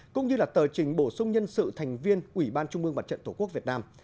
cũng như là tờ trình bổ sung nhân sự thành viên ủy ban trung mương mặt trận tổ quốc việt nam